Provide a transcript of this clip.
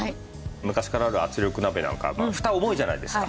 昔からある圧力鍋なんかはふた重いじゃないですか。